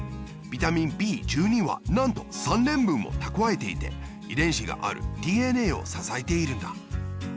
ビタミンＢ１２はなんと３ねんぶんもたくわえていていでんしがあるＤＮＡをささえているんだ。